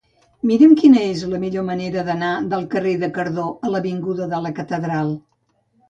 Mira'm quina és la millor manera d'anar del carrer de Cardó a l'avinguda de la Catedral.